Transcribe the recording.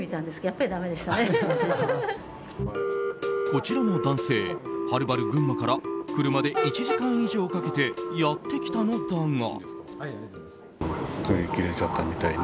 こちらの男性はるばる群馬から車で１時間以上かけてやってきたのだが。